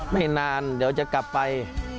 ไม่นานเดี๋ยวจะกลับไป